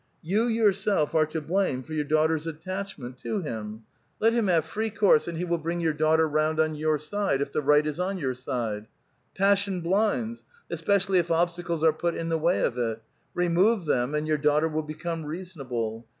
You yourself are to blame for your daughter's attachment to 410 A VITAL QUESTION. him. Lst him have free course, and he will bring your daught r round on your side, if the right is on your side. Passion blinds, especially if obstacles are put in the way of it ; remove them, and your daughter will become reasonable.